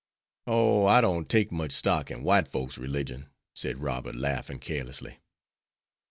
"Oh, I don't take much stock in white folks' religion," said Robert, laughing carelessly.